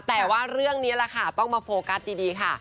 แต่ว่าเรื่องนี้แหละค่ะต้องมาโฟกัสดีค่ะ